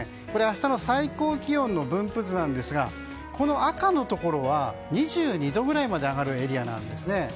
これ明日の最高気温の分布図なんですが赤のところは、２２度ぐらいまで上がるエリアなんです。